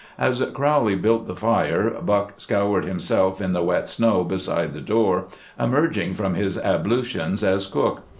As Crowley built the fire Buck scoured himself in the wet snow beside the door, emerging from his ablutions as cook.